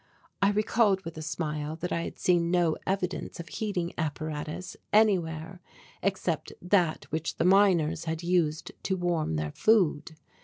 I recalled with a smile that I had seen no evidence of heating apparatus anywhere except that which the miners had used to warm their food.